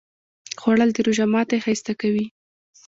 خوړل د روژه ماتی ښایسته کوي